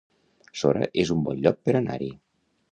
Sora es un bon lloc per anar-hi